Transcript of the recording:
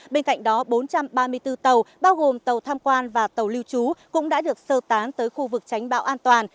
bên cạnh đó bốn trăm ba mươi bốn tàu bao gồm tàu tham quan và tàu lưu trú cũng đã được sơ tán tới khu vực tránh bão an toàn